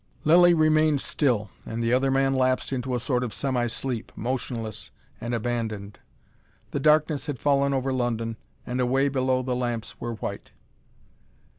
Lilly remained still, and the other man lapsed into a sort of semi sleep, motionless and abandoned. The darkness had fallen over London, and away below the lamps were white.